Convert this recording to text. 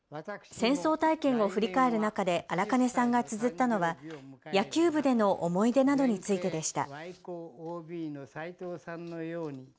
戦争体験を振り返る中で荒金さんがつづったのは野球部での思い出などについてでした。